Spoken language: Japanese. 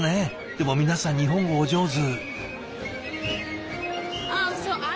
でも皆さん日本語お上手。